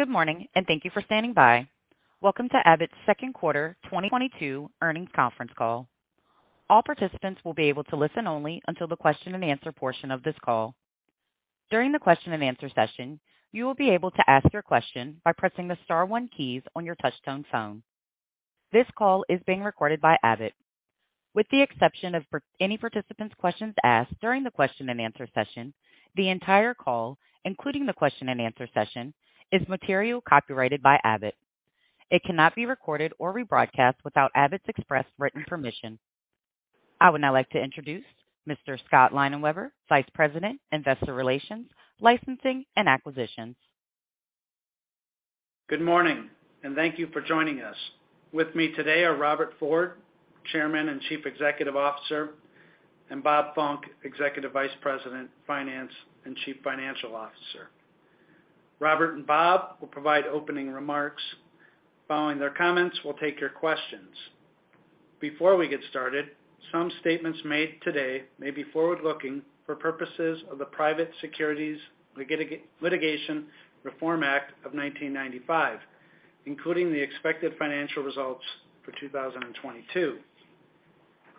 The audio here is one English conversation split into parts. Good morning, and thank you for standing by. Welcome to Abbott's second quarter 2022 earnings conference call. All participants will be able to listen only until the question and answer portion of this call. During the question and answer session, you will be able to ask your question by pressing the star one keys on your touchtone phone. This call is being recorded by Abbott. With the exception of any participant's questions asked during the question and answer session, the entire call, including the question and answer session, is material copyrighted by Abbott. It cannot be recorded or rebroadcast without Abbott's express written permission. I would now like to introduce Mr. Scott Leinenweber, Vice President, Investor Relations, Licensing, and Acquisitions. Good morning, and thank you for joining us. With me today are Robert Ford, Chairman and Chief Executive Officer, and Bob Funck, Executive Vice President, Finance and Chief Financial Officer. Robert and Bob will provide opening remarks. Following their comments, we'll take your questions. Before we get started, some statements made today may be forward-looking for purposes of the Private Securities Litigation Reform Act of 1995, including the expected financial results for 2022.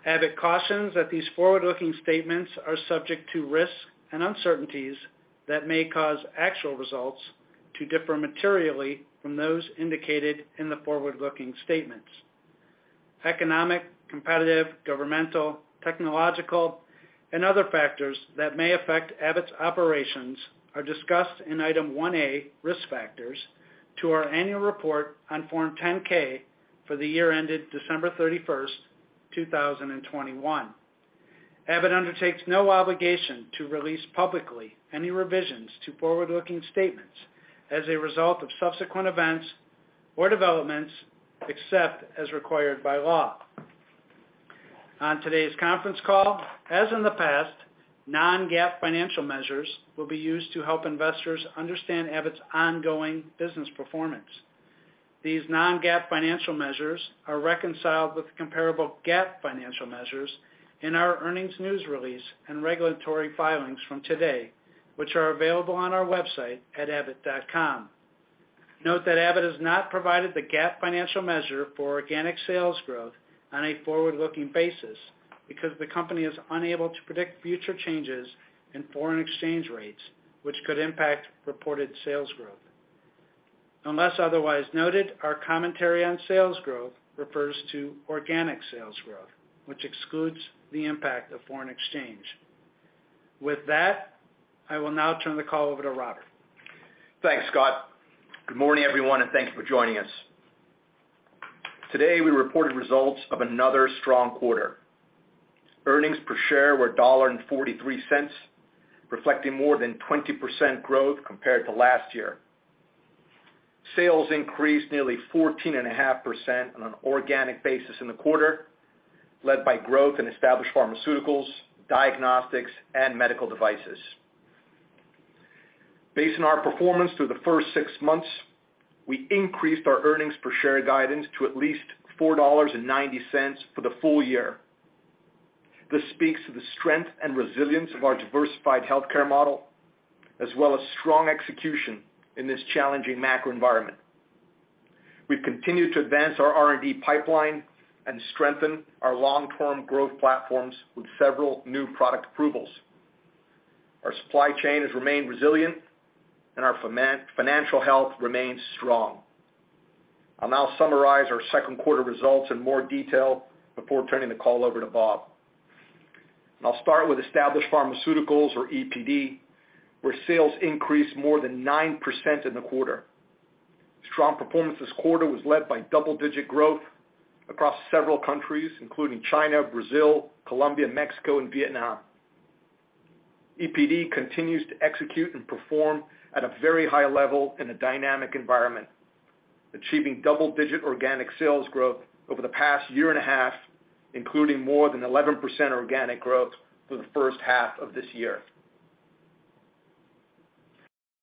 Abbott cautions that these forward-looking statements are subject to risks and uncertainties that may cause actual results to differ materially from those indicated in the forward-looking statements. Economic, competitive, governmental, technological, and other factors that may affect Abbott's operations are discussed in Item 1A, Risk Factors, to our annual report on Form 10-K for the year ended December 31st, 2021. Abbott undertakes no obligation to release publicly any revisions to forward-looking statements as a result of subsequent events or developments, except as required by law. On today's conference call, as in the past, non-GAAP financial measures will be used to help investors understand Abbott's ongoing business performance. These non-GAAP financial measures are reconciled with comparable GAAP financial measures in our earnings news release and regulatory filings from today, which are available on our website at abbott.com. Note that Abbott has not provided the GAAP financial measure for organic sales growth on a forward-looking basis because the company is unable to predict future changes in foreign exchange rates which could impact reported sales growth. Unless otherwise noted, our commentary on sales growth refers to organic sales growth, which excludes the impact of foreign exchange. With that, I will now turn the call over to Robert. Thanks, Scott. Good morning, everyone, and thanks for joining us. Today, we reported results of another strong quarter. Earnings per share were $0.43, reflecting more than 20% growth compared to last year. Sales increased nearly 14.5% on an organic basis in the quarter, led by growth in Established Pharmaceuticals, Diagnostics, and Medical Devices. Based on our performance through the first six months, we increased our earnings per share guidance to at least $4.90 for the full year. This speaks to the strength and resilience of our diversified healthcare model as well as strong execution in this challenging macro environment. We've continued to advance our R&D pipeline and strengthen our long-term growth platforms with several new product approvals. Our supply chain has remained resilient, and our financial health remains strong. I'll now summarize our second quarter results in more detail before turning the call over to Bob. I'll start with Established Pharmaceuticals or EPD, where sales increased more than 9% in the quarter. Strong performance this quarter was led by double-digit growth across several countries, including China, Brazil, Colombia, Mexico, and Vietnam. EPD continues to execute and perform at a very high level in a dynamic environment, achieving double-digit organic sales growth over the past year and a half, including more than 11% organic growth through the first half of this year.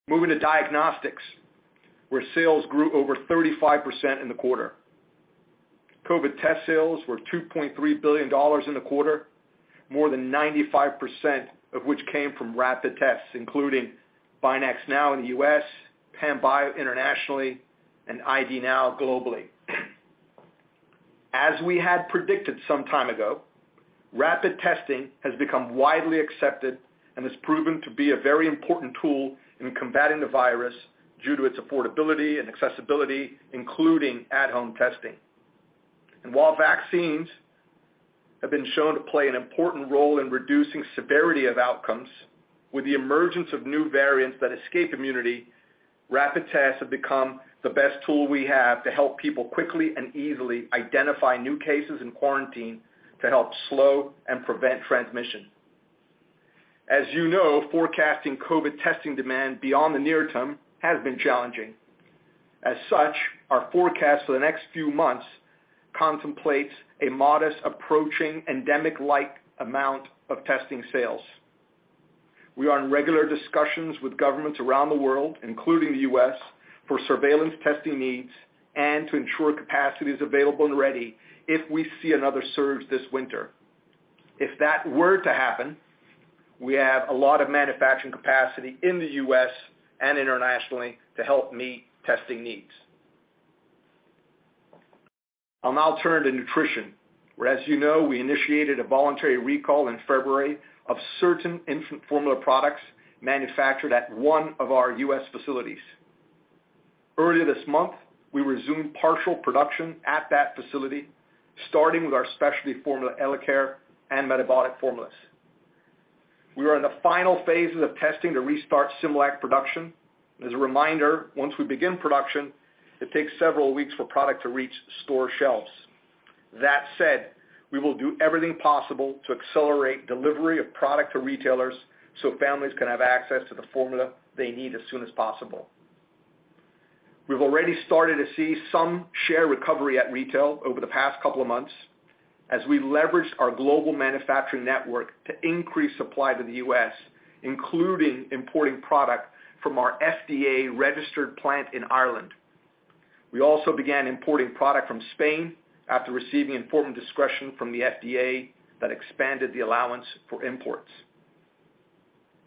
Moving to Diagnostics, where sales grew over 35% in the quarter. COVID test sales were $2.3 billion in the quarter, more than 95% of which came from rapid tests, including BinaxNOW in the U.S., Panbio internationally, and ID NOW globally. As we had predicted some time ago, rapid testing has become widely accepted and has proven to be a very important tool in combating the virus due to its affordability and accessibility, including at-home testing. While vaccines have been shown to play an important role in reducing severity of outcomes, with the emergence of new variants that escape immunity, rapid tests have become the best tool we have to help people quickly and easily identify new cases and quarantine to help slow and prevent transmission. As you know, forecasting COVID testing demand beyond the near term has been challenging. As such, our forecast for the next few months contemplates a modest approaching endemic-like amount of testing sales. We are in regular discussions with governments around the world, including the U.S., for surveillance testing needs and to ensure capacity is available and ready if we see another surge this winter. If that were to happen, we have a lot of manufacturing capacity in the U.S. and internationally to help meet testing needs. I'll now turn to Nutrition, where, as you know, we initiated a voluntary recall in February of certain infant formula products manufactured at one of our U.S. facilities. Earlier this month, we resumed partial production at that facility, starting with our specialty formula EleCare and metabolic formulas. We are in the final phases of testing to restart Similac production. As a reminder, once we begin production, it takes several weeks for product to reach store shelves. That said, we will do everything possible to accelerate delivery of product to retailers so families can have access to the formula they need as soon as possible. We've already started to see some share recovery at retail over the past couple of months as we leveraged our global manufacturing network to increase supply to the U.S., including importing product from our FDA-registered plant in Ireland. We also began importing product from Spain after receiving enforcement discretion from the FDA that expanded the allowance for imports.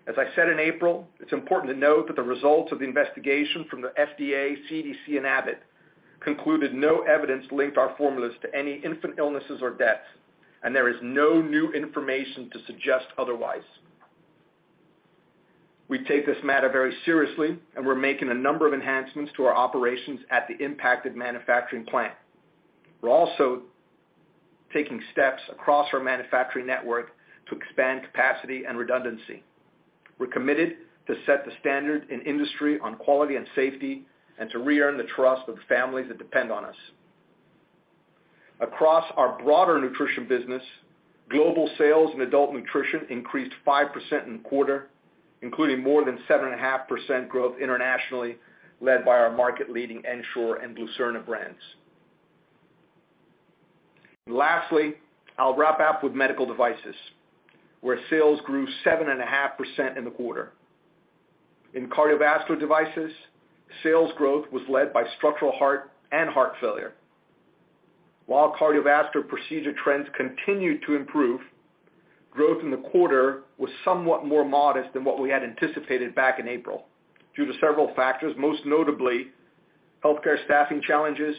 As I said in April, it's important to note that the results of the investigation from the FDA, CDC, and Abbott concluded no evidence linked our formulas to any infant illnesses or deaths, and there is no new information to suggest otherwise. We take this matter very seriously, and we're making a number of enhancements to our operations at the impacted manufacturing plant. We're also taking steps across our manufacturing network to expand capacity and redundancy. We're committed to set the standard in industry on quality and safety and to re-earn the trust of the families that depend on us. Across our broader Nutrition business, global sales in adult nutrition increased 5% in the quarter, including more than 7.5% growth internationally, led by our market-leading Ensure and Glucerna brands. Lastly, I'll wrap up with Medical Devices, where sales grew 7.5% in the quarter. In Cardiovascular Devices, sales growth was led by structural heart and heart failure. While cardiovascular procedure trends continued to improve, growth in the quarter was somewhat more modest than what we had anticipated back in April due to several factors, most notably healthcare staffing challenges,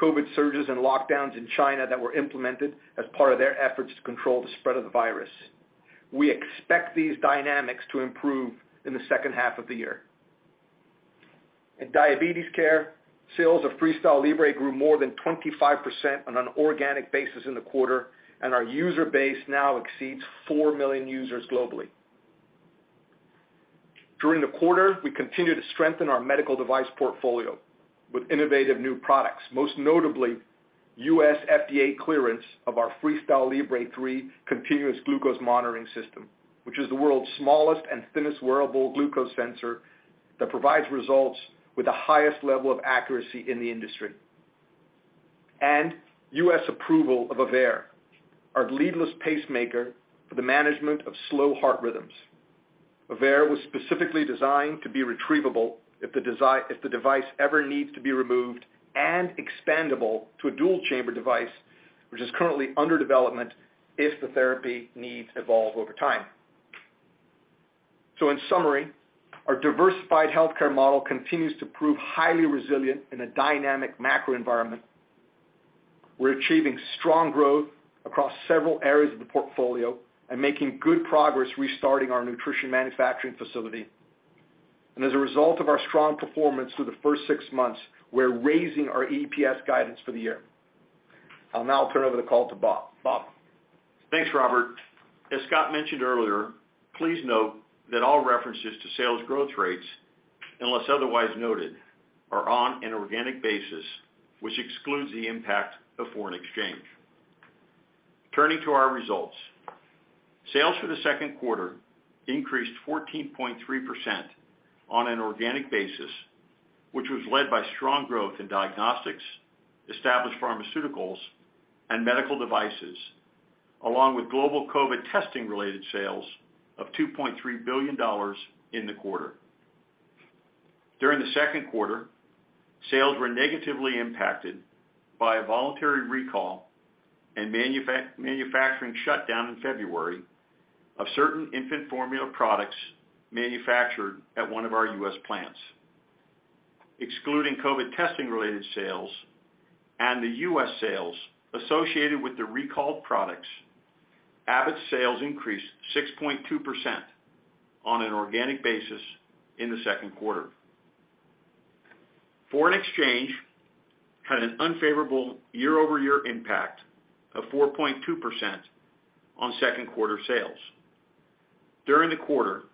COVID surges and lockdowns in China that were implemented as part of their efforts to control the spread of the virus. We expect these dynamics to improve in the second half of the year. In Diabetes Care, sales of FreeStyle Libre grew more than 25% on an organic basis in the quarter, and our user base now exceeds 4 million users globally. During the quarter, we continued to strengthen our Medical Device portfolio with innovative new products, most notably U.S. FDA clearance of our FreeStyle Libre three continuous glucose monitoring system, which is the world's smallest and thinnest wearable glucose sensor that provides results with the highest level of accuracy in the industry. U.S. approval of Aveir, our leadless pacemaker for the management of slow heart rhythms. Aveir was specifically designed to be retrievable if the device ever needs to be removed and expandable to a dual-chamber device, which is currently under development, if the therapy needs evolve over time. In summary, our diversified healthcare model continues to prove highly resilient in a dynamic macro environment. We're achieving strong growth across several areas of the portfolio and making good progress restarting our nutrition manufacturing facility. As a result of our strong performance through the first six months, we're raising our EPS guidance for the year. I'll now turn over the call to Bob. Bob? Thanks, Robert. As Scott mentioned earlier, please note that all references to sales growth rates, unless otherwise noted, are on an organic basis, which excludes the impact of foreign exchange. Turning to our results. Sales for the second quarter increased 14.3% on an organic basis, which was led by strong growth in Diagnostics, Established Pharmaceuticals, and Medical Devices, along with global COVID testing-related sales of $2.3 billion in the quarter. During the second quarter, sales were negatively impacted by a voluntary recall and manufacturing shutdown in February of certain infant formula products manufactured at one of our U.S. plants. Excluding COVID testing-related sales and the U.S. sales associated with the recalled products, Abbott's sales increased 6.2% on an organic basis in the second quarter. Foreign exchange had an unfavorable year-over-year impact of 4.2% on second quarter sales. During the quarter,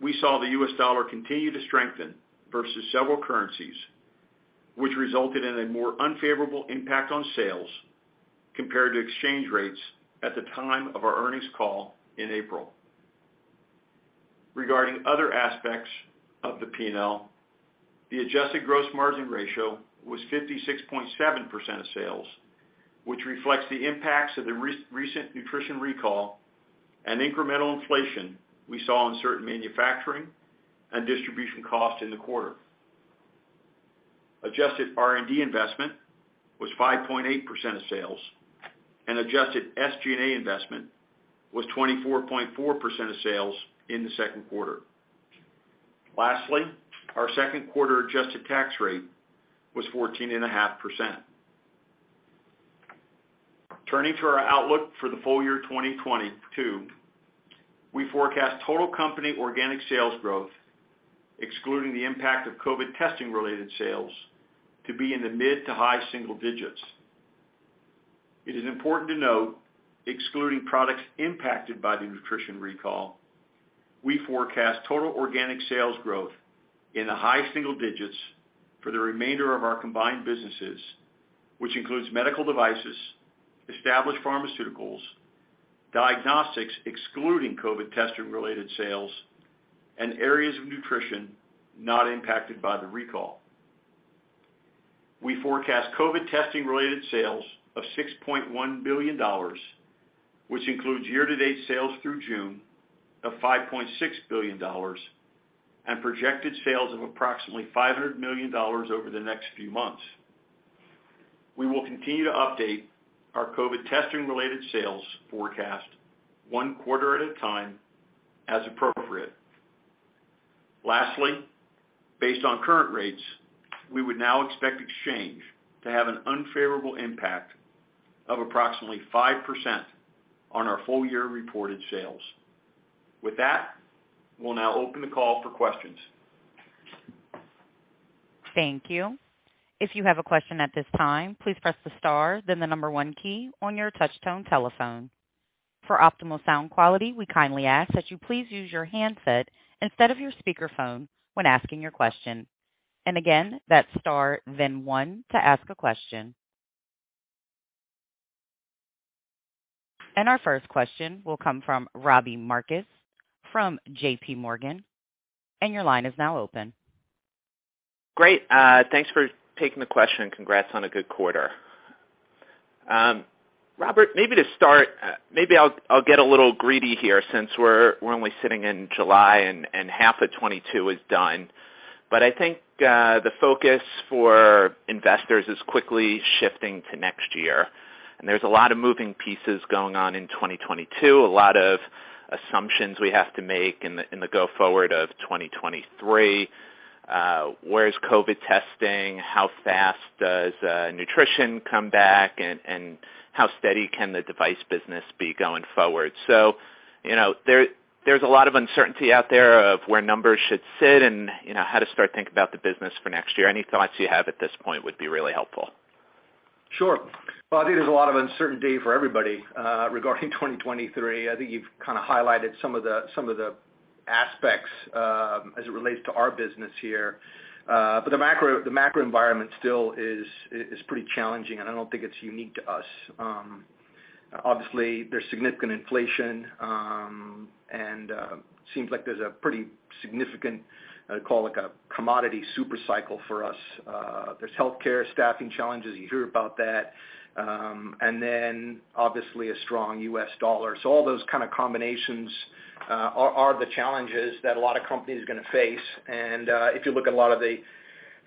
we saw the U.S. dollar continue to strengthen versus several currencies, which resulted in a more unfavorable impact on sales compared to exchange rates at the time of our earnings call in April. Regarding other aspects of the P&L, the adjusted gross margin ratio was 56.7% of sales, which reflects the impacts of the recent nutrition recall and incremental inflation we saw in certain manufacturing and distribution costs in the quarter. Adjusted R&D investment was 5.8% of sales and adjusted SG&A investment was 24.4% of sales in the second quarter. Lastly, our second quarter adjusted tax rate was 14.5%. Turning to our outlook for the full year 2022, we forecast total company organic sales growth, excluding the impact of COVID testing related sales, to be in the mid- to high-single digits. It is important to note, excluding products impacted by the nutrition recall, we forecast total organic sales growth in the high-single digits for the remainder of our combined businesses, which includes Medical Devices, Established Pharmaceuticals, Diagnostics excluding COVID testing related sales, and areas of Nutrition not impacted by the recall. We forecast COVID testing related sales of $6.1 billion, which includes year-to-date sales through June of $5.6 billion and projected sales of approximately $500 million over the next few months. We will continue to update our COVID testing related sales forecast one quarter at a time as appropriate. Lastly, based on current rates, we would now expect exchange to have an unfavorable impact of approximately 5% on our full year reported sales. With that, we'll now open the call for questions. Thank you. If you have a question at this time, please press the star, then the number one key on your touchtone telephone. For optimal sound quality, we kindly ask that you please use your handset instead of your speakerphone when asking your question. Again, that's star, then one to ask a question. Our first question will come from Robbie Marcus from JPMorgan. Your line is now open. Great. Thanks for taking the question. Congrats on a good quarter. Robert, maybe to start, maybe I'll get a little greedy here since we're only sitting in July and half of 2022 is done. I think the focus for investors is quickly shifting to next year. There's a lot of moving pieces going on in 2022, a lot of assumptions we have to make in the go forward of 2023. Where's COVID testing? How fast does Nutrition come back? And how steady can the Device business be going forward? You know, there's a lot of uncertainty out there of where numbers should sit and, you know, how to start thinking about the business for next year. Any thoughts you have at this point would be really helpful. Sure. Well, I think there's a lot of uncertainty for everybody regarding 2023. I think you've kind of highlighted some of the aspects as it relates to our business here. But the macro environment still is pretty challenging, and I don't think it's unique to us. Obviously, there's significant inflation, and seems like there's a pretty significant. I call like a commodity super cycle for us. There's healthcare staffing challenges. You hear about that. And then obviously a strong U.S. dollar. So all those kind of combinations are the challenges that a lot of companies are going to face. If you look at a lot of the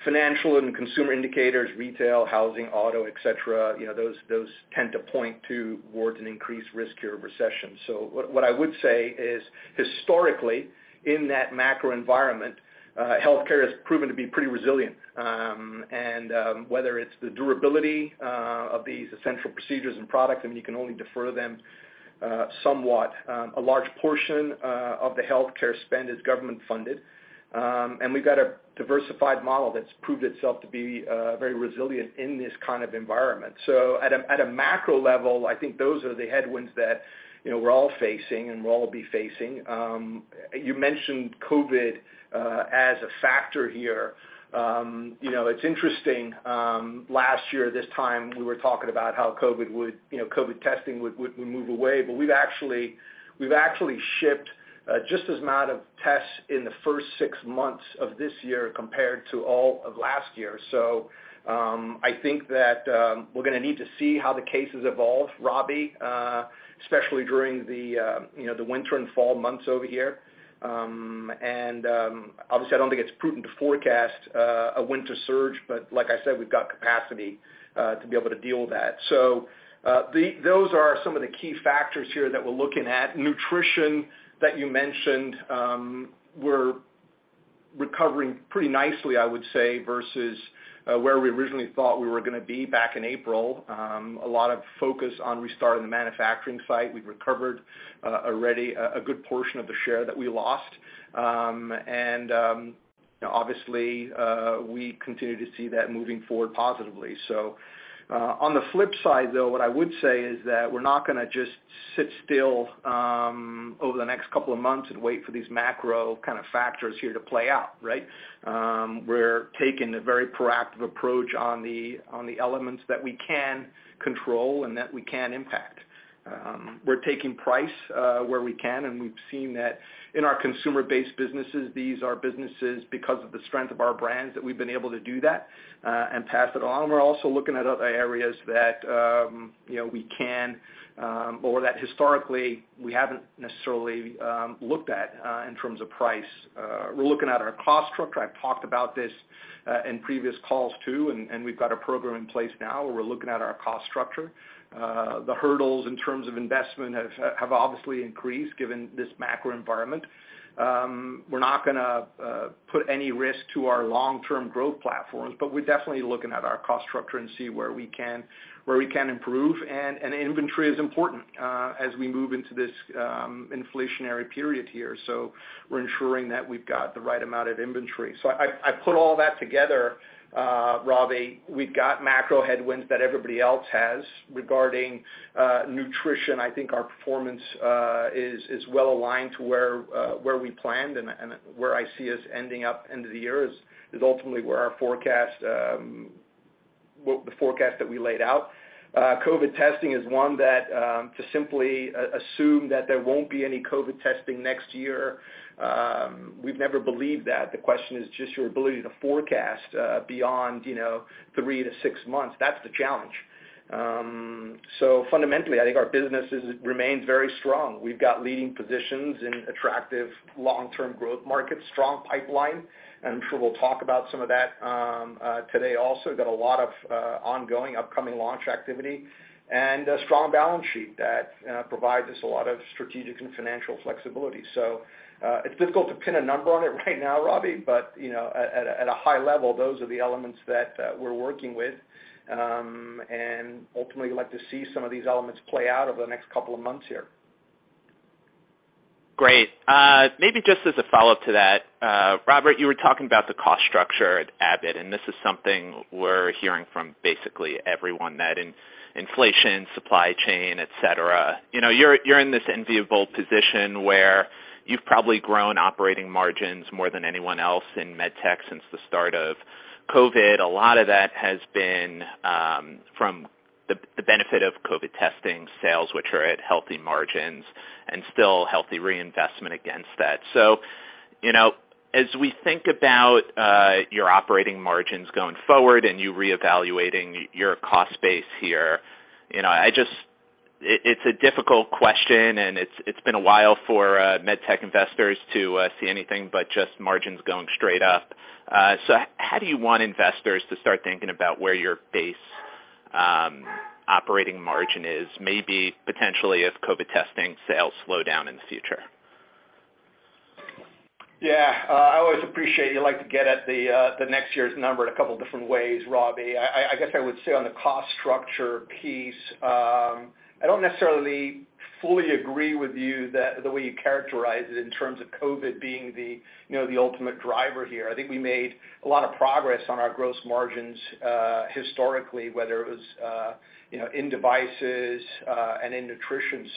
financial and consumer indicators, retail, housing, auto, et cetera, you know, those tend to point towards an increased risk of recession. What I would say is historically, in that macro environment, healthcare has proven to be pretty resilient. Whether it's the durability of these essential procedures and products, I mean, you can only defer them somewhat. A large portion of the healthcare spend is government funded. We've got a diversified model that's proved itself to be very resilient in this kind of environment. At a macro level, I think those are the headwinds that, you know, we're all facing and we'll all be facing. You mentioned COVID as a factor here. You know, it's interesting. Last year this time, we were talking about how COVID would, you know, COVID testing would move away. We've actually shipped just as many tests in the first six months of this year compared to all of last year. I think that we're going to need to see how the cases evolve, Robbie, especially during you know, the winter and fall months over here. Obviously, I don't think it's prudent to forecast a winter surge, but like I said, we've got capacity to be able to deal with that. Those are some of the key factors here that we're looking at. Nutrition, that you mentioned, we're recovering pretty nicely, I would say, versus where we originally thought we were going to be back in April. A lot of focus on restarting the manufacturing site. We've recovered already a good portion of the share that we lost. Obviously, we continue to see that moving forward positively. On the flip side, though, what I would say is that we're not gonna just sit still over the next couple of months and wait for these macro kind of factors here to play out, right? We're taking a very proactive approach on the elements that we can control and that we can impact. We're taking price where we can, and we've seen that in our consumer-based businesses. These are businesses because of the strength of our brands that we've been able to do that, and pass it on. We're also looking at other areas that, you know, we can or that historically, we haven't necessarily looked at in terms of price. We're looking at our cost structure. I've talked about this in previous calls too, and we've got a program in place now where we're looking at our cost structure. The hurdles in terms of investment have obviously increased given this macro environment. We're not gonna put any risk to our long-term growth platforms, but we're definitely looking at our cost structure and see where we can improve. Inventory is important as we move into this inflationary period here. We're ensuring that we've got the right amount of inventory. I put all that together, Robbie. We've got macro headwinds that everybody else has regarding Nutrition. I think our performance is well aligned to where we planned and where I see us ending up end of the year is ultimately where our forecast, well, the forecast that we laid out. COVID testing is one that to simply assume that there won't be any COVID testing next year, we've never believed that. The question is just your ability to forecast beyond, you know, three to six months. That's the challenge. Fundamentally, I think our businesses remain very strong. We've got leading positions in attractive long-term growth markets, strong pipeline, and I'm sure we'll talk about some of that today also. Got a lot of ongoing upcoming launch activity, and a strong balance sheet that provides us a lot of strategic and financial flexibility. It's difficult to pin a number on it right now, Robbie, but, you know, at a high level, those are the elements that we're working with, and ultimately like to see some of these elements play out over the next couple of months here. Great. Maybe just as a follow-up to that, Robert, you were talking about the cost structure at Abbott, and this is something we're hearing from basically everyone that in inflation, supply chain, et cetera. You know, you're in this enviable position where you've probably grown operating margins more than anyone else in med tech since the start of COVID. A lot of that has been from the benefit of COVID testing sales, which are at healthy margins and still healthy reinvestment against that. You know, as we think about your operating margins going forward and you reevaluating your cost base here, you know, it's a difficult question, and it's been a while for med tech investors to see anything but just margins going straight up. How do you want investors to start thinking about where your base operating margin is, maybe potentially if COVID testing sales slow down in the future? Yeah. I always appreciate you like to get at the next year's number in a couple different ways, Robbie. I guess I would say on the cost structure piece, I don't necessarily fully agree with you that the way you characterize it in terms of COVID being the, you know, the ultimate driver here. I think we made a lot of progress on our gross margins, historically, whether it was, you know, in Devices, and in Nutrition.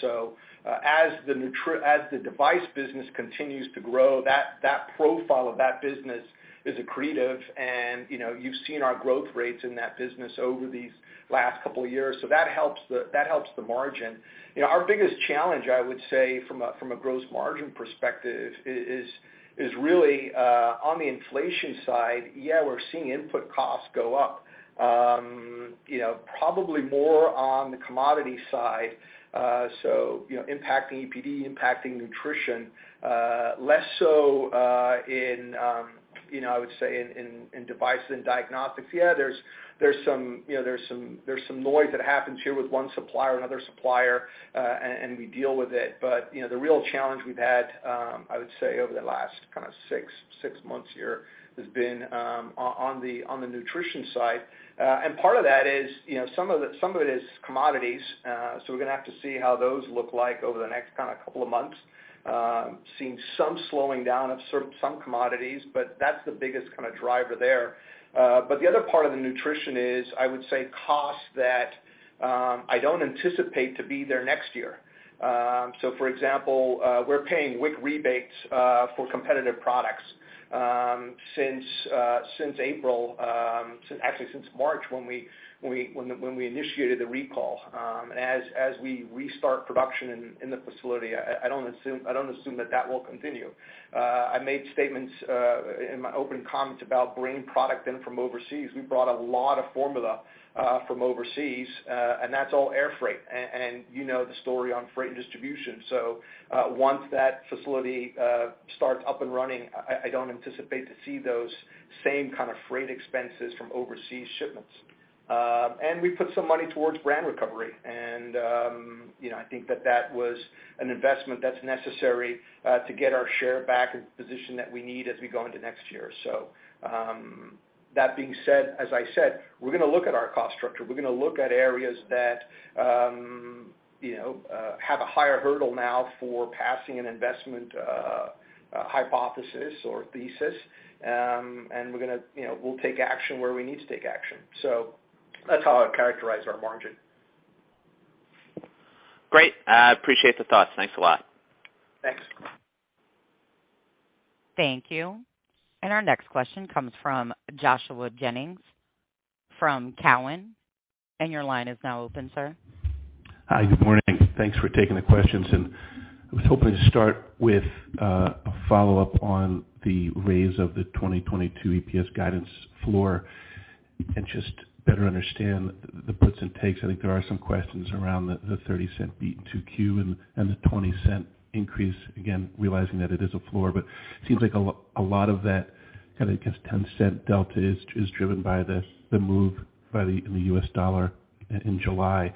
As the Device business continues to grow, that profile of that business is accretive. You know, you've seen our growth rates in that business over these last couple of years, so that helps the margin. You know, our biggest challenge, I would say, from a gross margin perspective is really on the inflation side. Yeah, we're seeing input costs go up, you know, probably more on the commodity side. You know, impacting EPD, impacting Nutrition, less so in you know, I would say in Device and Diagnostics. Yeah, there's some, you know, some noise that happens here with one supplier or another supplier, and we deal with it. You know, the real challenge we've had, I would say over the last kind of six months here has been on the Nutrition side. Part of that is, you know, some of it is commodities. We're gonna have to see how those look like over the next kind of couple of months. Seeing some slowing down of some commodities, but that's the biggest kind of driver there. The other part of the Nutrition is, I would say, costs that I don't anticipate to be there next year. For example, we're paying WIC rebates for competitive products since April, actually since March when we initiated the recall. As we restart production in the facility, I don't assume that that will continue. I made statements in my opening comments about bringing product in from overseas. We brought a lot of formula from overseas, and that's all air freight. You know the story on freight and distribution. Once that facility starts up and running, I don't anticipate to see those same kind of freight expenses from overseas shipments. We put some money towards brand recovery and, you know, I think that was an investment that's necessary to get our share back in the position that we need as we go into next year. That being said, as I said, we're gonna look at our cost structure. We're gonna look at areas that you know have a higher hurdle now for passing an investment hypothesis or thesis. We're gonna, you know, we'll take action where we need to take action. That's how I characterize our margin. Great. I appreciate the thoughts. Thanks a lot. Thanks. Thank you. Our next question comes from Joshua Jennings from Cowen. Your line is now open, sir. Hi. Good morning. Thanks for taking the questions. I was hoping to start with a follow-up on the raise of the 2022 EPS guidance floor and just better understand the puts and takes. I think there are some questions around the $0.30 beat in 2Q and the $0.20 increase. Again, realizing that it is a floor, but it seems like a lot of that, kind of, I guess, $0.10 delta is driven by the move in the U.S. dollar in July.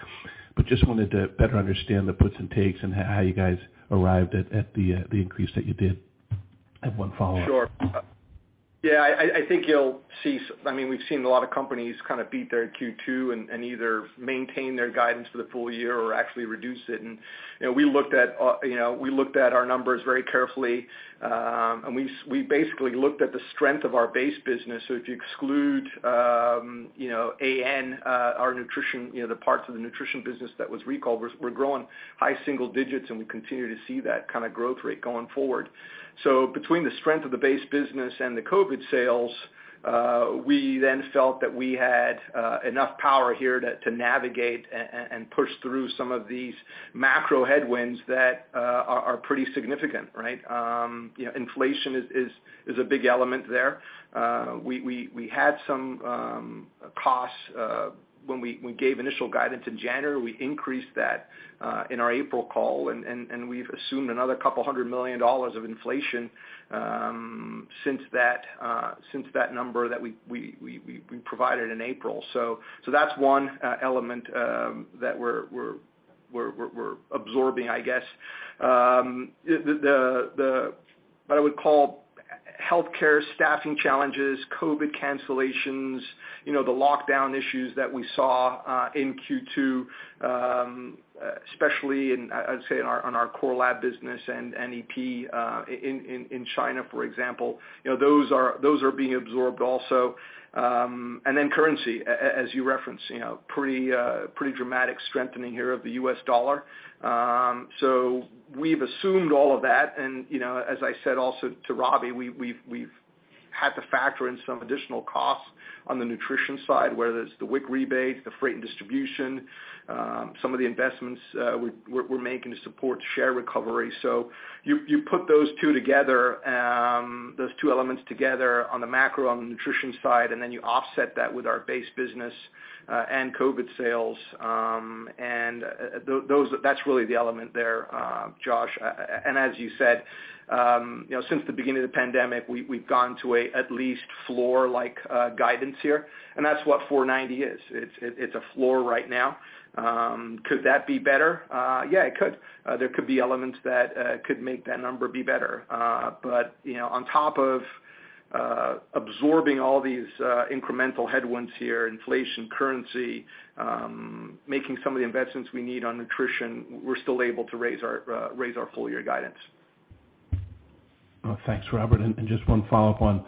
But just wanted to better understand the puts and takes and how you guys arrived at the increase that you did. I have one follow-up. Sure. Yeah, I think you'll see. I mean, we've seen a lot of companies kind of beat their Q2 and either maintain their guidance for the full year or actually reduce it. You know, we looked at our numbers very carefully, and we basically looked at the strength of our base business. If you exclude infant nutrition, the parts of the Nutrition business that was recalled, we're growing high single digits, and we continue to see that kind of growth rate going forward. Between the strength of the base business and the COVID sales, we then felt that we had enough power here to navigate and push through some of these macro headwinds that are pretty significant, right? You know, inflation is a big element there. We had some costs when we gave initial guidance in January. We increased that in our April call, and we've assumed another $200 million of inflation since that number that we provided in April. So that's one element that we're absorbing, I guess. What I would call healthcare staffing challenges, COVID cancellations, you know, the lockdown issues that we saw in Q2, especially, I'd say, on our core lab business and EPD in China, for example, you know, those are being absorbed also. Currency, as you referenced, you know, pretty dramatic strengthening here of the U.S. dollar. So we've assumed all of that. You know, as I said also to Robbie, we've had to factor in some additional costs on the nutrition side, whether it's the WIC rebates, the freight and distribution, some of the investments we're making to support share recovery. You put those two together, those two elements together on the macro, on the nutrition side, and then you offset that with our base business and COVID sales, and that's really the element there, Josh. As you said, you know, since the beginning of the pandemic, we've gone to at least floor-like guidance here, and that's what $4.90 is. It's a floor right now. Could that be better? Yeah, it could. There could be elements that could make that number be better. You know, on top of absorbing all these incremental headwinds here, inflation, currency, making some of the investments we need on nutrition, we're still able to raise our full year guidance. Well, thanks, Robert. Just one follow-up on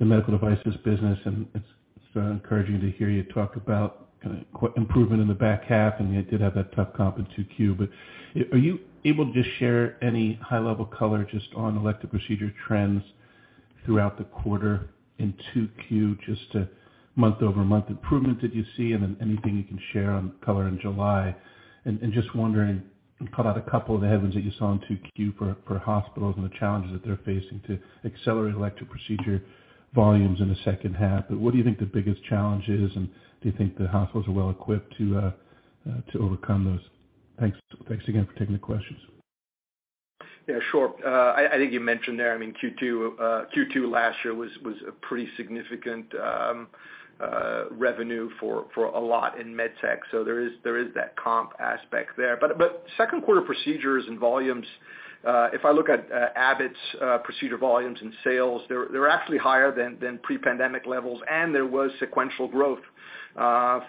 the Medical Devices business, and it's encouraging to hear you talk about kind of improvement in the back half, and you did have that tough comp in 2Q. Are you able to just share any high-level color just on elective procedure trends throughout the quarter in 2Q, just a month-over-month improvement that you see? And then anything you can share on color in July. Just wondering, you called out a couple of the headwinds that you saw in 2Q for hospitals and the challenges that they're facing to accelerate elective procedure volumes in the second half. What do you think the biggest challenge is, and do you think the hospitals are well equipped to overcome those? Thanks. Thanks again for taking the questions. Yeah, sure. I think you mentioned there, I mean, Q2 last year was a pretty significant revenue for a lot in med tech. There is that comp aspect there. Second quarter procedures and volumes, if I look at Abbott's procedure volumes and sales, they're actually higher than pre-pandemic levels, and there was sequential growth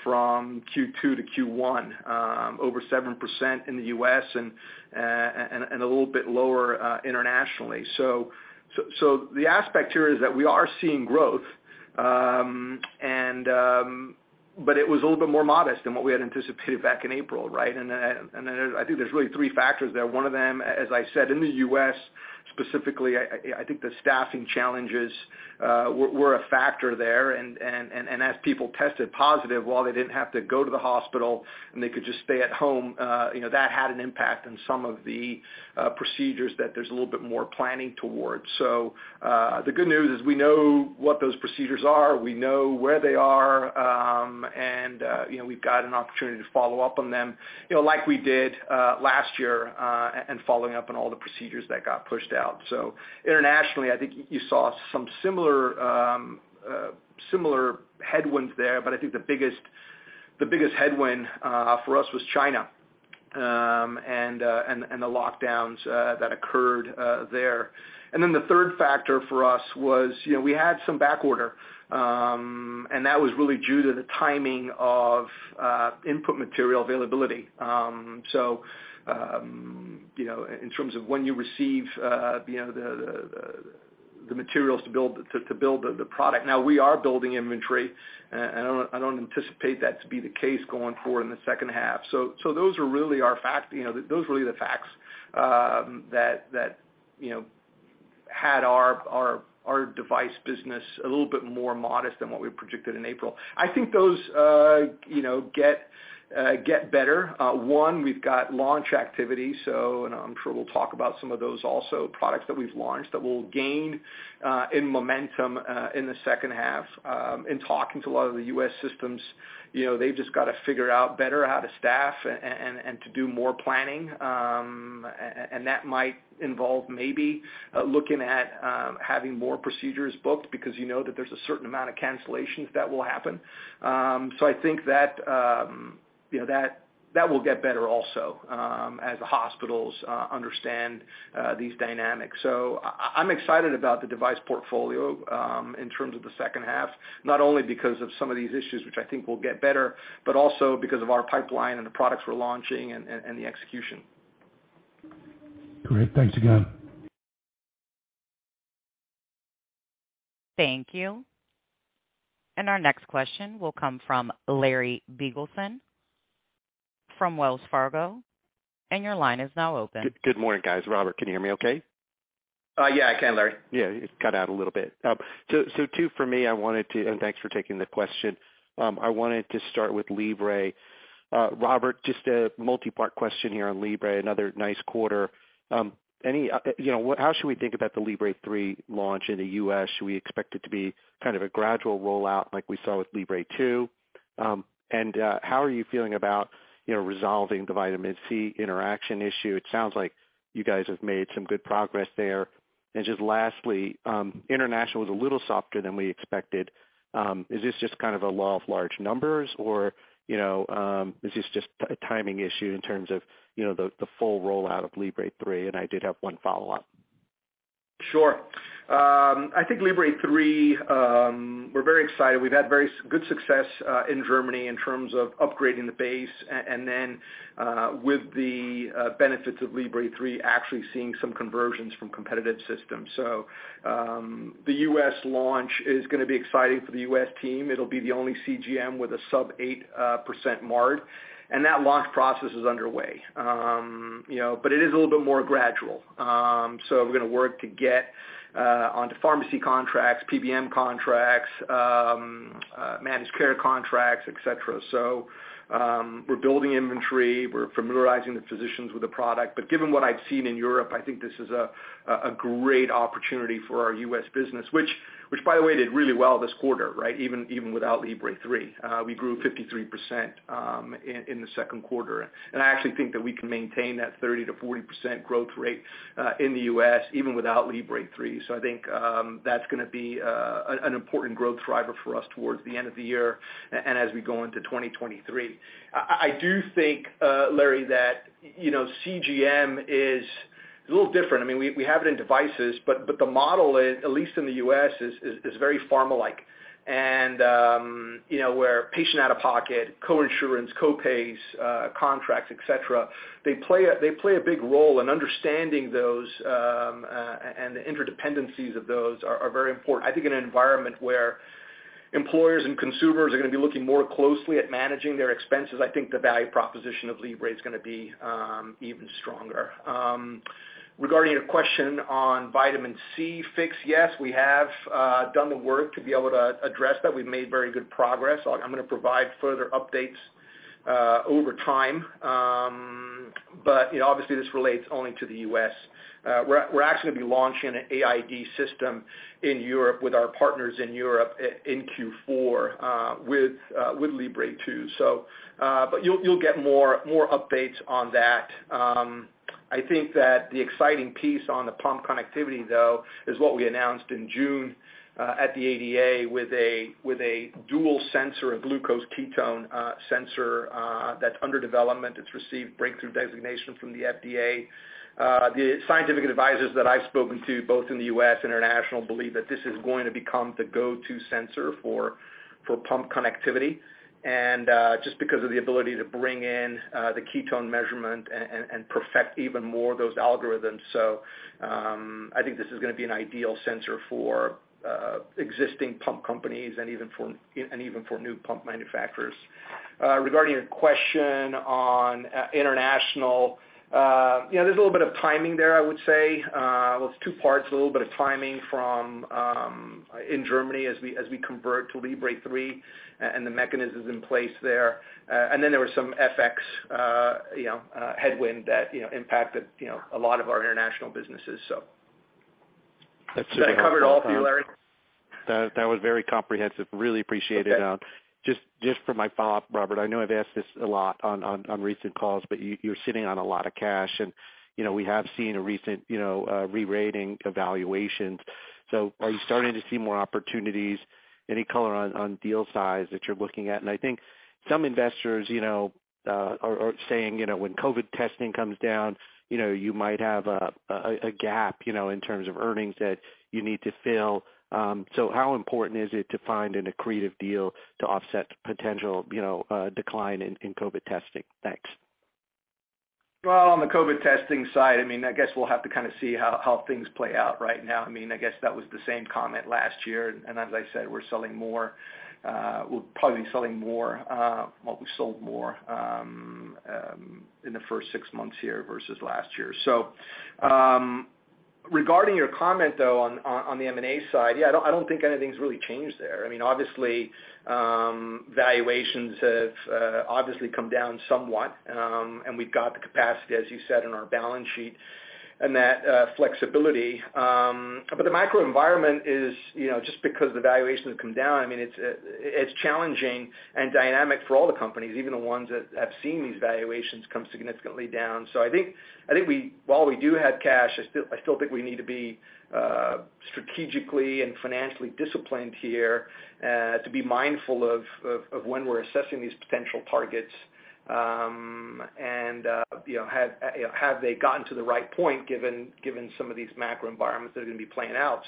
from Q2 to Q1 over 7% in the U.S. and a little bit lower internationally. The aspect here is that we are seeing growth, but it was a little bit more modest than what we had anticipated back in April, right? I think there's really three factors there. One of them, as I said, in the U.S. specifically, I think the staffing challenges were a factor there. As people tested positive, while they didn't have to go to the hospital and they could just stay at home, you know, that had an impact on some of the procedures that there's a little bit more planning towards. The good news is we know what those procedures are, we know where they are, and you know, we've got an opportunity to follow up on them, you know, like we did last year, and following up on all the procedures that got pushed out. Internationally, I think you saw some similar headwinds there, but I think the biggest headwind for us was China. The lockdowns that occurred there. Then the third factor for us was, you know, we had some back order, and that was really due to the timing of input material availability. You know, in terms of when you receive you know the materials to build the product. Now we are building inventory. I don't anticipate that to be the case going forward in the second half. Those are really the facts, you know, that you know had our Device business a little bit more modest than what we projected in April. I think those, you know, get better. We've got launch activity, so and I'm sure we'll talk about some of those also, products that we've launched that will gain in momentum in the second half. In talking to a lot of the U.S. systems, you know, they've just got to figure out better how to staff and to do more planning. That might involve maybe looking at having more procedures booked because you know that there's a certain amount of cancellations that will happen. I think that, you know, that will get better also as the hospitals understand these dynamics. I'm excited about the Device portfolio, in terms of the second half, not only because of some of these issues, which I think will get better, but also because of our pipeline and the products we're launching and the execution. Great. Thanks again. Thank you. Our next question will come from Larry Biegelsen from Wells Fargo, and your line is now open. Good morning, guys. Robert, can you hear me okay? Yeah, I can, Larry. Yeah, it cut out a little bit. So two for me. Thanks for taking the question. I wanted to start with Libre. Robert, just a multi-part question here on Libre, another nice quarter. Any, you know, how should we think about the Libre three launch in the U.S.? Should we expect it to be kind of a gradual rollout like we saw with Libre 2? And how are you feeling about, you know, resolving the vitamin C interaction issue? It sounds like you guys have made some good progress there. Just lastly, international was a little softer than we expected. Is this just kind of a law of large numbers or, you know, is this just a timing issue in terms of, you know, the full rollout of Libre 3? I did have one follow-up. I think Libre 3, we're very excited. We've had very good success in Germany in terms of upgrading the base and then with the benefits of Libre 3 actually seeing some conversions from competitive systems. The U.S. launch is gonna be exciting for the U.S. team. It'll be the only CGM with a sub-8% margin, and that launch process is underway. You know, it is a little bit more gradual. We're gonna work to get onto pharmacy contracts, PBM contracts, managed care contracts, et cetera. We're building inventory. We're familiarizing the physicians with the product. Given what I've seen in Europe, I think this is a great opportunity for our U.S. business, which by the way did really well this quarter, right? Even without Libre 3. We grew 53% in the second quarter. I actually think that we can maintain that 30%-40% growth rate in the U.S. even without Libre 3. I think that's gonna be an important growth driver for us towards the end of the year and as we go into 2023. I do think, Larry, that, you know, CGM is a little different. I mean, we have it in Devices, but the model is, at least in the U.S., is very pharma-like. You know, where patient out-of-pocket, co-insurance, co-pays, contracts, et cetera, they play a big role. Understanding those and the interdependencies of those are very important. I think in an environment where employers and consumers are gonna be looking more closely at managing their expenses, I think the value proposition of Libre is gonna be even stronger. Regarding your question on vitamin C fix, yes, we have done the work to be able to address that. We've made very good progress. I'm gonna provide further updates over time. You know, obviously this relates only to the U.S. We're actually gonna be launching an AID system in Europe with our partners in Europe in Q4 with Libre 2. You'll get more updates on that. I think that the exciting piece on the pump connectivity, though, is what we announced in June at the ADA with a dual sensor, a glucose ketone sensor, that's under development. It's received breakthrough designation from the FDA. The scientific advisors that I've spoken to, both in the U.S., international, believe that this is going to become the go-to sensor for pump connectivity, and just because of the ability to bring in the ketone measurement and perfect even more those algorithms. I think this is gonna be an ideal sensor for existing pump companies and even for new pump manufacturers. Regarding your question on international, you know, there's a little bit of timing there, I would say. Well, it's two parts, a little bit of timing from in Germany as we convert to Libre 3 and the mechanisms in place there. Then there was some FX, you know, headwind that you know impacted you know a lot of our international businesses. Did I cover it all for you, Larry? That was very comprehensive. Really appreciate it. Okay. Just for my follow-up, Robert, I know I've asked this a lot on recent calls, but you're sitting on a lot of cash and, you know, we have seen a recent, you know, rerating evaluations. Are you starting to see more opportunities? Any color on deal size that you're looking at? I think some investors, you know, are saying, you know, when COVID testing comes down, you know, you might have a gap, you know, in terms of earnings that you need to fill. How important is it to find an accretive deal to offset potential, you know, decline in COVID testing? Thanks. Well, on the COVID testing side, I mean, I guess we'll have to kind of see how things play out right now. I mean, I guess that was the same comment last year. As I said, we're probably selling more, well we sold more in the first six months here versus last year. Regarding your comment though on the M&A side, yeah, I don't think anything's really changed there. I mean, obviously, valuations have obviously come down somewhat, and we've got the capacity, as you said, in our balance sheet and that flexibility. But the microenvironment is, you know, just because the valuations come down, I mean, it's challenging and dynamic for all the companies, even the ones that have seen these valuations come significantly down. I think while we do have cash, I still think we need to be strategically and financially disciplined here to be mindful of when we're assessing these potential targets. You know, have they gotten to the right point given some of these macro environments that are gonna be playing out?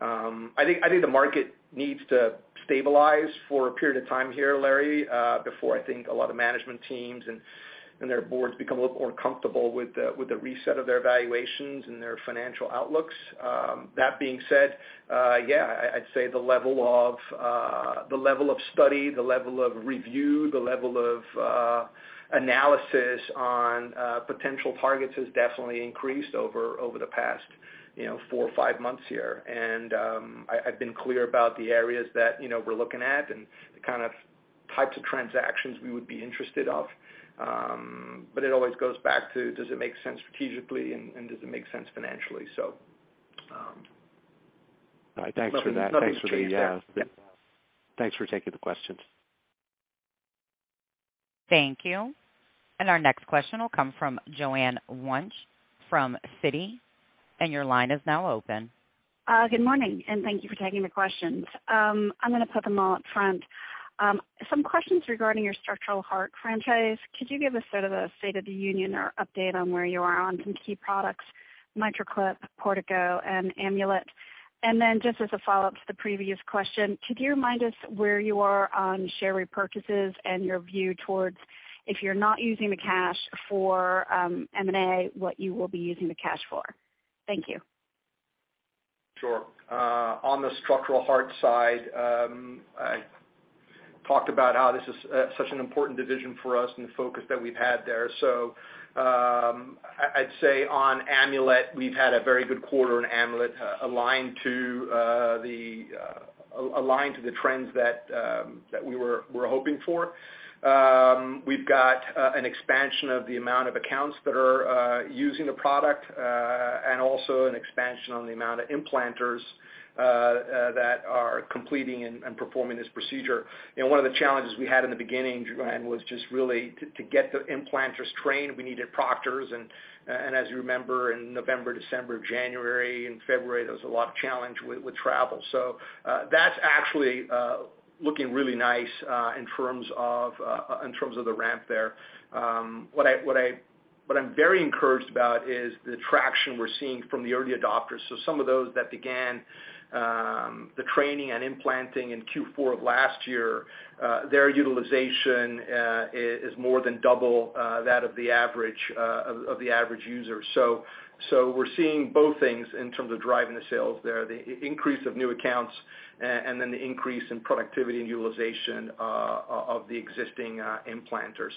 I think the market needs to stabilize for a period of time here, Larry, before I think a lot of management teams and their boards become a little more comfortable with the reset of their valuations and their financial outlooks. That being said, yeah, I'd say the level of study, the level of review, the level of analysis on potential targets has definitely increased over the past, you know, four or five months here. I've been clear about the areas that, you know, we're looking at and the kind of types of transactions we would be interested of. It always goes back to, does it make sense strategically and does it make sense financially? All right. Thanks for that. Nothing's changed there. Thanks for taking the questions. Thank you. Our next question will come from Joanne Wuensch from Citi, and your line is now open. Good morning, and thank you for taking the questions. I'm gonna put them all up front. Some questions regarding your structural heart franchise. Could you give us sort of a state of the union or update on where you are on some key products, MitraClip, Portico, and Amulet? Just as a follow-up to the previous question, could you remind us where you are on share repurchases and your view towards if you're not using the cash for M&A, what you will be using the cash for? Thank you. Sure. On the Structural Heart Side, I talked about how this is such an important division for us and the focus that we've had there. I'd say on Amulet, we've had a very good quarter on Amulet, aligned to the trends that we're hoping for. We've got an expansion of the amount of accounts that are using the product, and also an expansion on the amount of implanters that are completing and performing this procedure. You know, one of the challenges we had in the beginning, Joanne, was just really to get the implanters trained. We needed proctors and, as you remember, in November, December, January, and February, there was a lot of challenge with travel. That's actually looking really nice in terms of the ramp there. What I'm very encouraged about is the traction we're seeing from the early adopters. Some of those that began the training and implanting in Q4 of last year, their utilization is more than double that of the average user. We're seeing both things in terms of driving the sales there, the increase of new accounts and then the increase in productivity and utilization of the existing implanters.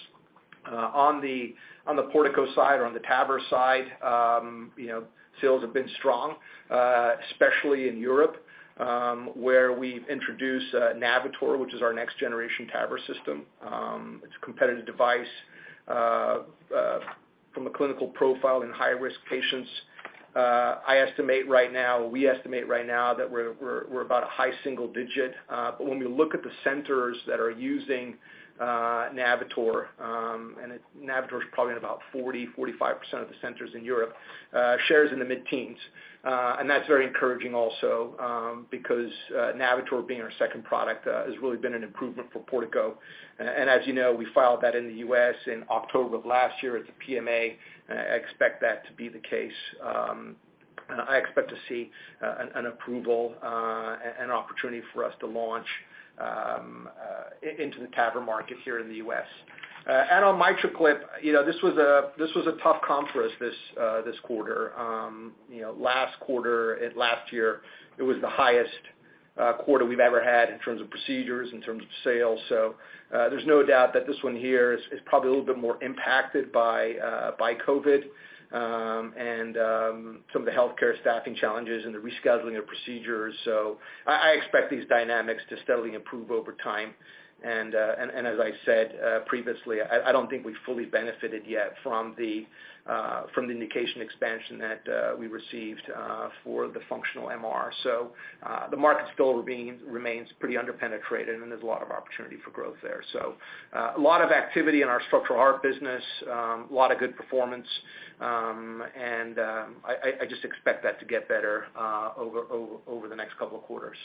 On the Portico side or on the TAVR side, you know, sales have been strong, especially in Europe, where we've introduced Navitor, which is our next-generation TAVR system. It's a competitive device from a clinical profile in high-risk patients. We estimate right now that we're about a high single digit. But when we look at the centers that are using Navitor, and Navitor is probably in about 40-45% of the centers in Europe, shares in the mid-teens. That's very encouraging also, because Navitor being our second product has really been an improvement for Portico. As you know, we filed that in the US in October of last year. It's a PMA. I expect that to be the case. I expect to see an approval, an opportunity for us to launch into the TAVR market here in the U.S. On MitraClip, you know, this was a tough comp for us this quarter. You know, last quarter and last year, it was the highest quarter we've ever had in terms of procedures, in terms of sales. There's no doubt that this one here is probably a little bit more impacted by COVID and some of the healthcare staffing challenges and the rescheduling of procedures. I expect these dynamics to steadily improve over time. As I said previously, I don't think we've fully benefited yet from the indication expansion that we received for the functional MR. The market still remains pretty under-penetrated, and there's a lot of opportunity for growth there. A lot of activity in our structural heart business, a lot of good performance. I just expect that to get better over the next couple of quarters.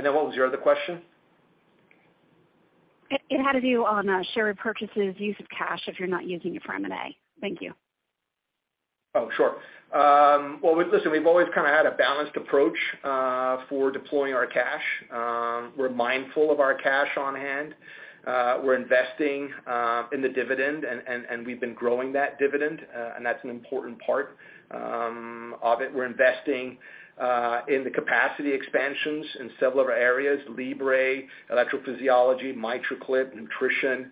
Then what was your other question? It had to do with share repurchases, use of cash if you're not using it for M&A. Thank you. Oh, sure. Well, listen, we've always kind of had a balanced approach for deploying our cash. We're mindful of our cash on hand. We're investing in the dividend and we've been growing that dividend. That's an important part of it. We're investing in the capacity expansions in several areas, Libre, electrophysiology, MitraClip, Nutrition.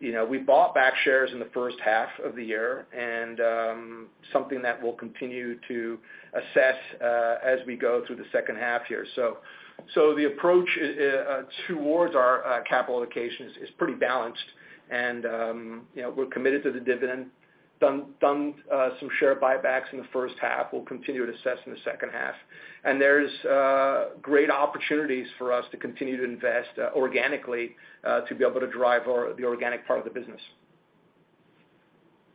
You know, we bought back shares in the first half of the year and something that we'll continue to assess as we go through the second half here. The approach towards our capital allocation is pretty balanced. You know, we're committed to the dividend. We've done some share buybacks in the first half. We'll continue to assess in the second half. There's great opportunities for us to continue to invest organically, to be able to drive the organic part of the business.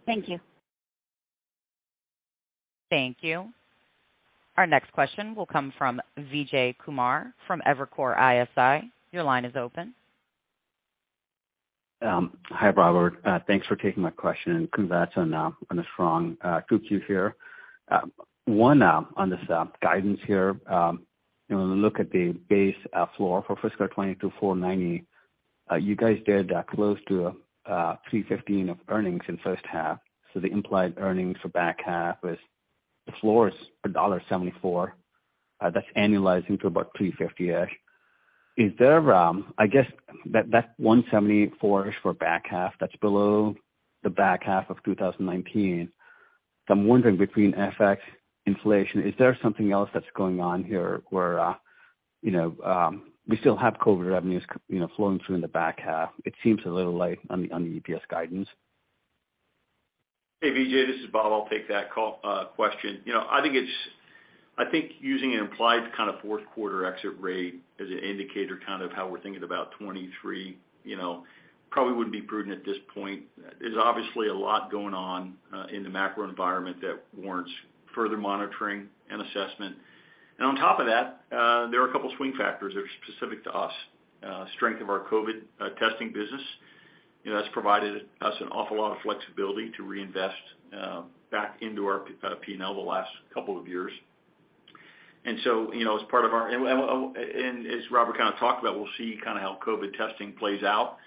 Thank you. Thank you. Our next question will come from Vijay Kumar from Evercore ISI. Your line is open. Hi, Robert. Thanks for taking my question. Congrats on a strong 2Q here. One on this guidance here. You know, when we look at the base floor for fiscal 2024, you guys did close to $3.15 of earnings in first half. The implied earnings for back half is the floor of $1.74. That's annualizing to about $3.50-ish. Is there, I guess, that $1.74-ish for back half, that's below the back half of 2019. I'm wondering between FX inflation, is there something else that's going on here where, you know, we still have COVID revenues, you know, flowing through in the back half? It seems a little light on the EPS guidance. Hey, Vijay, this is Bob. I'll take that call, question. You know, I think using an implied kind of fourth quarter exit rate as an indicator, kind of how we're thinking about 2023, you know, probably wouldn't be prudent at this point. There's obviously a lot going on in the macro environment that warrants further monitoring and assessment. On top of that, there are a couple of swing factors that are specific to us. Strength of our COVID testing business, you know, that's provided us an awful lot of flexibility to reinvest back into our P&L the last couple of years. You know, as Robert kind of talked about, we'll see kind of how COVID testing plays out.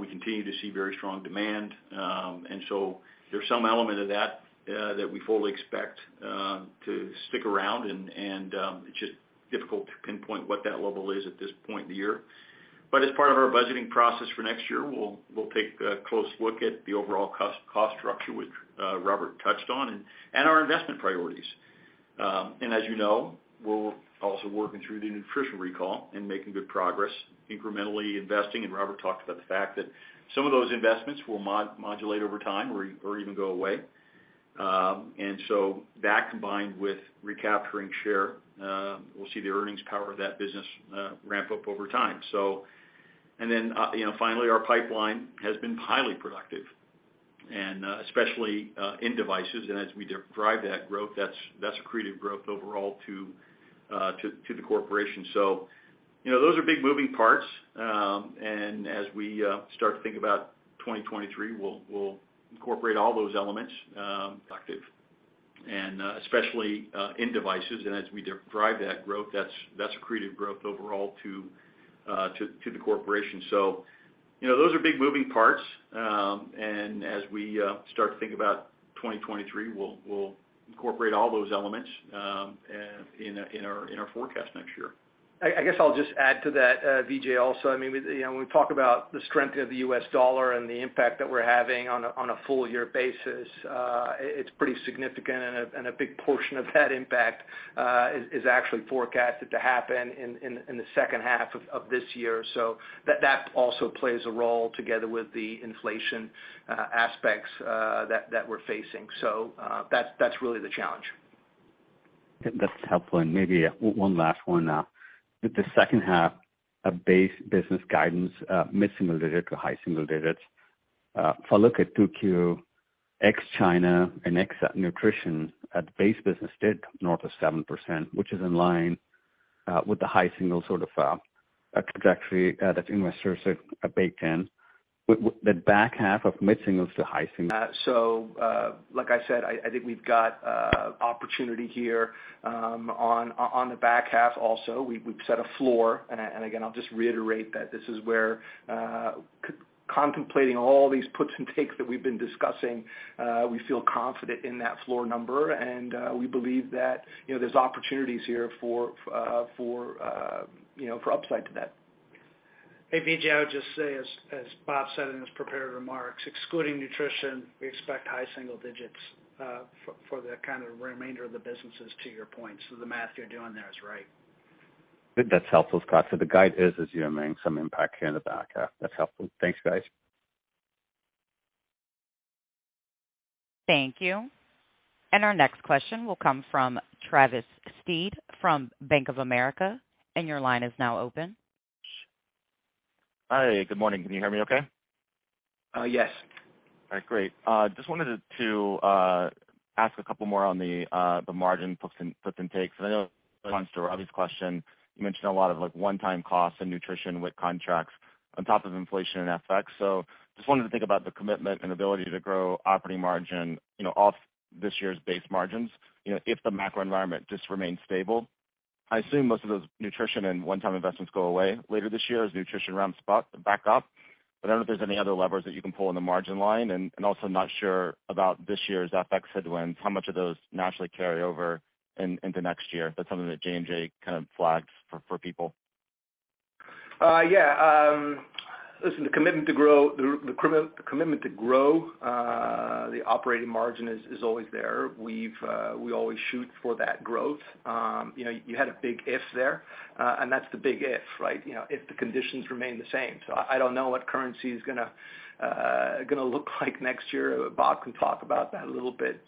We continue to see very strong demand. There's some element of that that we fully expect to stick around. It's just difficult to pinpoint what that level is at this point in the year. As part of our budgeting process for next year, we'll take a close look at the overall cost structure, which Robert touched on, and our investment priorities. As you know, we're also working through the nutrition recall and making good progress incrementally investing. Robert talked about the fact that some of those investments will modulate over time or even go away. That combined with recapturing share, we'll see the earnings power of that business ramp up over time. You know, finally, our pipeline has been highly productive and especially in Devices. As we drive that growth, that's accretive growth overall to the corporation. You know, those are big moving parts. As we start to think about 2023, we'll incorporate all those elements active and especially in Devices. As we drive that growth, that's accretive growth overall to the corporation. You know, those are big moving parts. As we start to think about 2023, we'll incorporate all those elements in our forecast next year. I guess I'll just add to that, Vijay also. I mean, you know, when we talk about the strength of the U.S. dollar and the impact that we're having on a full year basis, it's pretty significant. A big portion of that impact is actually forecasted to happen in the second half of this year. That also plays a role together with the inflation aspects that we're facing. That's really the challenge. That's helpful. Maybe one last one. With the second half, a base business guidance, mid-single digit to high single digits. If I look at 2Q ex-China and ex-nutrition at base business did north of 7%, which is in line with the high single sort of trajectory that investors have baked in. With the back half of mid-single to high single- Like I said, I think we've got opportunity here on the back half also. We've set a floor. Again, I'll just reiterate that this is where contemplating all these puts and takes that we've been discussing, we feel confident in that floor number. We believe that, you know, there's opportunities here for you know for upside to that. Hey, Vijay, I would just say, as Bob said in his prepared remarks, excluding Nutrition, we expect high single digits for the remainder of the businesses, to your point. The math you're doing there is right. That's helpful, Scott. The guide is assuming some impact here in the back half. That's helpful. Thanks, guys. Thank you. Our next question will come from Travis Steed from Bank of America. Your line is now open. Hi, good morning. Can you hear me okay? Yes. All right, great. Just wanted to ask a couple more on the margin puts and takes. I know it responds to Robbie's question. You mentioned a lot of, like, one-time costs and Nutrition WIC contracts on top of inflation and FX. So just wanted to think about the commitment and ability to grow operating margin, you know, off this year's base margins, you know, if the macro environment just remains stable. I assume most of those nutrition and one-time investments go away later this year as nutrition ramps up, back up. But I don't know if there's any other levers that you can pull in the margin line and also not sure about this year's FX headwinds, how much of those naturally carry over into next year. That's something that J&J kind of flagged for people. Yeah. Listen, the commitment to grow the operating margin is always there. We always shoot for that growth. You know, you had a big if there, and that's the big if, right? You know, if the conditions remain the same. I don't know what currency is gonna look like next year. Bob can talk about that a little bit.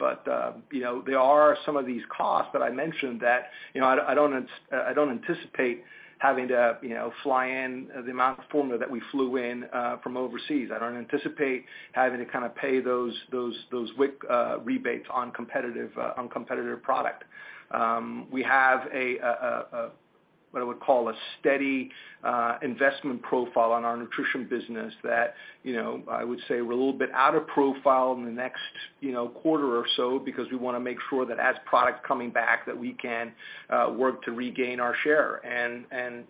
You know, there are some of these costs, but I mentioned that, you know, I don't anticipate having to, you know, fly in the amount of formula that we flew in from overseas. I don't anticipate having to kinda pay those WIC rebates on competitive product. We have a what I would call a steady investment profile on our Nutrition business that, you know, I would say we're a little bit out of profile in the next, you know, quarter or so because we want to make sure that as product coming back that we can work to regain our share.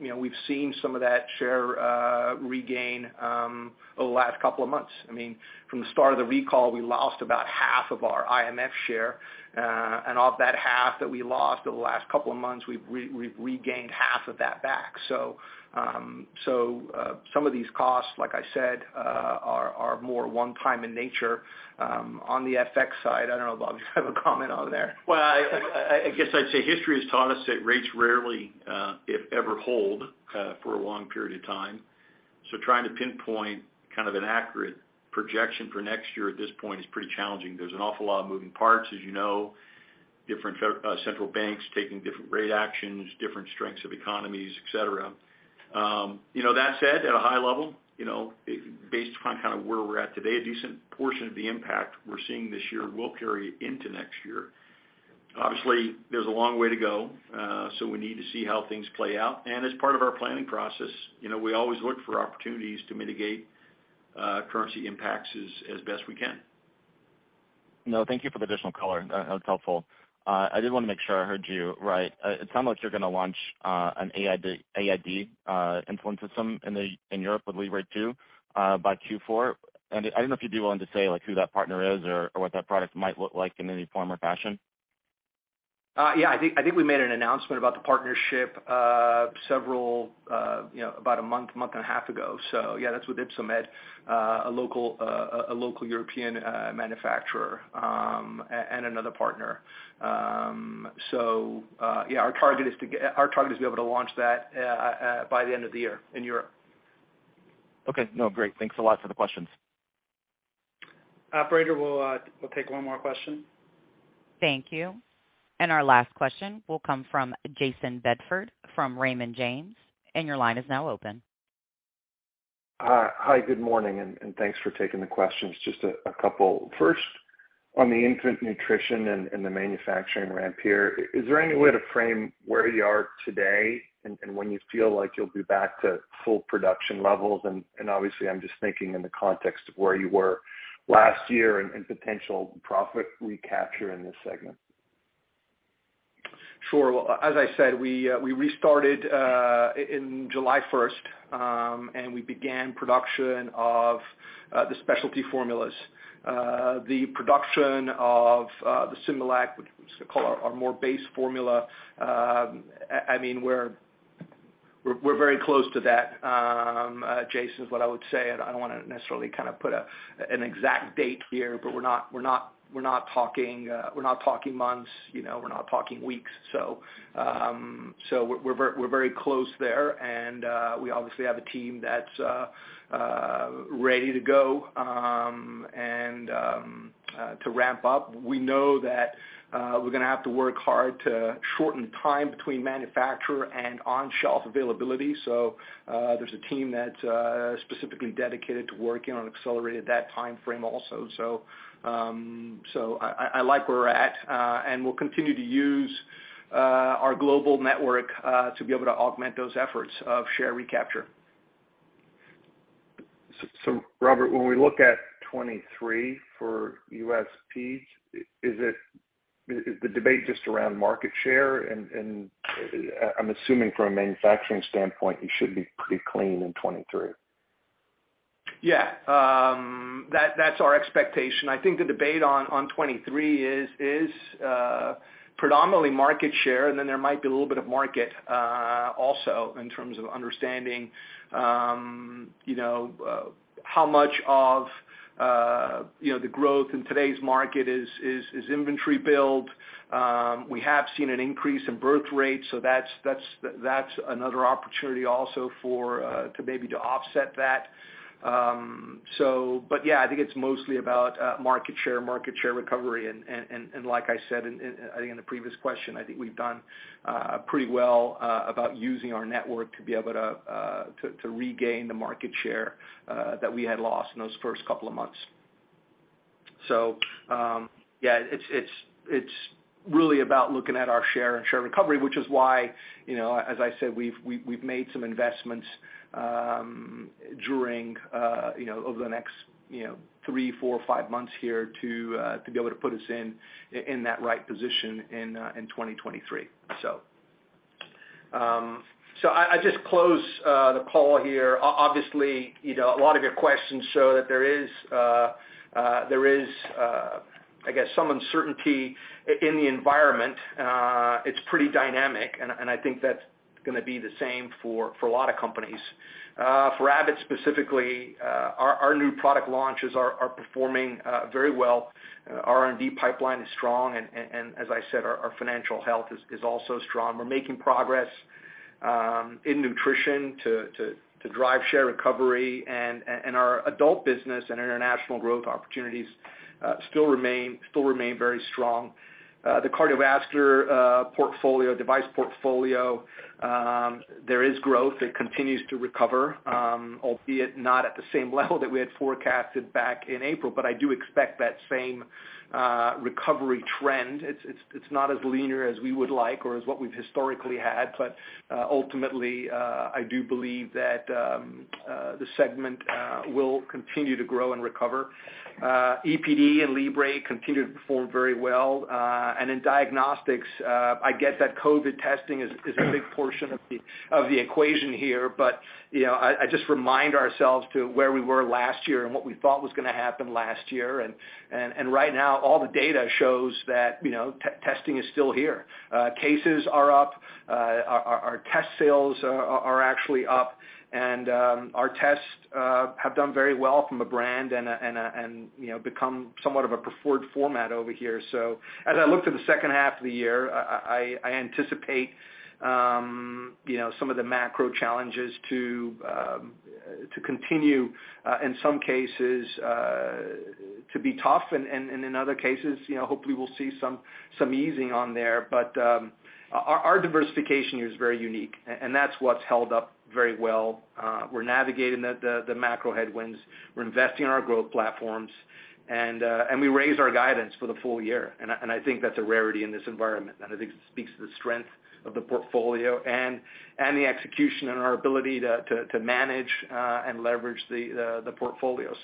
You know, we've seen some of that share regain over the last couple of months. I mean, from the start of the recall, we lost about half of our IMF share. Of that half that we lost over the last couple of months, we've regained half of that back. Some of these costs, like I said, are more one-time in nature. On the FX side, I don't know if Bob, if you have a comment on that. Well, I guess I'd say history has taught us that rates rarely, if ever, hold for a long period of time. Trying to pinpoint kind of an accurate projection for next year at this point is pretty challenging. There's an awful lot of moving parts, as you know. Different central banks taking different rate actions, different strengths of economies, et cetera. You know, that said, at a high level, you know, based upon kinda where we're at today, a decent portion of the impact we're seeing this year will carry into next year. Obviously, there's a long way to go, so we need to see how things play out. As part of our planning process, you know, we always look for opportunities to mitigate currency impacts as best we can. No, thank you for the additional color. That's helpful. I did wanna make sure I heard you right. It sounds like you're gonna launch an AID infusion system in Europe with Libre 2 by Q4. I don't know if you'd be willing to say, like, who that partner is or what that product might look like in any form or fashion. Yeah. I think we made an announcement about the partnership several, you know, about a month and a half ago. Yeah, that's with Ypsomed, a local European manufacturer and another partner. Our target is to be able to launch that by the end of the year in Europe. Okay. No, great. Thanks a lot for the questions. Operator, we'll take one more question. Thank you. Our last question will come from Jayson Bedford from Raymond James, and your line is now open. Hi. Good morning, and thanks for taking the questions. Just a couple. First, on the infant nutrition and the manufacturing ramp here, is there any way to frame where you are today and when you feel like you'll be back to full production levels? Obviously, I'm just thinking in the context of where you were last year and potential profit recapture in this segment. Sure. Well, as I said, we restarted in July 1st, and we began production of the specialty formulas. The production of the Similac, which is called our core base formula, I mean, we're very close to that, Jason, is what I would say. I don't wanna necessarily kinda put an exact date here, but we're not talking months, you know, we're not talking weeks. We're very close there. We obviously have a team that's ready to go and to ramp up. We know that we're gonna have to work hard to shorten time between manufacturing and on-shelf availability. There's a team that's specifically dedicated to working on accelerating that timeframe also. I like where we're at. We'll continue to use our global network to be able to augment those efforts of share recapture. Robert, when we look at 2023 for USP, is the debate just around market share? I'm assuming from a manufacturing standpoint, you should be pretty clean in 2023. Yeah. That's our expectation. I think the debate on 2023 is predominantly market share, and then there might be a little bit of market also in terms of understanding, you know, how much of, you know, the growth in today's market is inventory build. We have seen an increase in birth rates, so that's another opportunity also for to maybe offset that. But yeah, I think it's mostly about market share, market share recovery and like I said in the previous question, I think we've done pretty well about using our network to be able to regain the market share that we had lost in those first couple of months. Yeah, it's really about looking at our share and share recovery, which is why, you know, as I said, we've made some investments during, you know, over the next, you know, three, four, five months here to be able to put us in that right position in 2023. I just close the call here. Obviously, you know, a lot of your questions show that there is, I guess some uncertainty in the environment. It's pretty dynamic, and I think that's gonna be the same for a lot of companies. For Abbott specifically, our new product launches are performing very well. Our R&D pipeline is strong, and as I said, our financial health is also strong. We're making progress in Nutrition to drive share recovery, and our adult business and international growth opportunities still remain very strong. The cardiovascular device portfolio. There is growth. It continues to recover, albeit not at the same level that we had forecasted back in April, but I do expect that same recovery trend. It's not as linear as we would like or as what we've historically had. Ultimately, I do believe that the segment will continue to grow and recover. EPD and Libre continue to perform very well. In Diagnostics, I get that COVID testing is a big portion of the equation here, but you know, I just remind ourselves of where we were last year and what we thought was gonna happen last year. Right now, all the data shows that, you know, testing is still here. Cases are up. Our test sales are actually up. Our tests have done very well from a brand and you know, become somewhat of a preferred format over here. As I look to the second half of the year, I anticipate, you know, some of the macro challenges to continue in some cases to be tough. In other cases, you know, hopefully we'll see some easing on there. Our diversification is very unique, and that's what's held up very well. We're navigating the macro headwinds. We're investing in our growth platforms and we raised our guidance for the full year, and I think that's a rarity in this environment, and I think it speaks to the strength of the portfolio and the execution and our ability to manage and leverage the portfolio.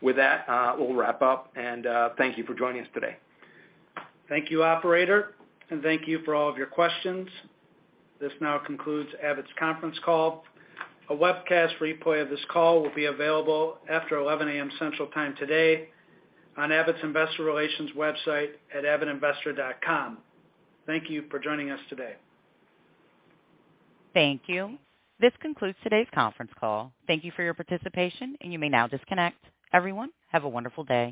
With that, we'll wrap up, and thank you for joining us today. Thank you, operator, and thank you for all of your questions. This now concludes Abbott's conference call. A webcast replay of this call will be available after 11:00 A.M. Central Time today on Abbott's investor relations website at abbottinvestor.com. Thank you for joining us today. Thank you. This concludes today's conference call. Thank you for your participation, and you may now disconnect. Everyone, have a wonderful day.